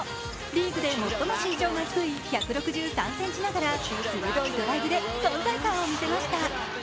リーグで最も身長が低い１６３ｃｍながら鋭いドライブで存在感を見せました。